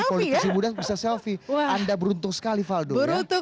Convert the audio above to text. anda beruntung sekali valdo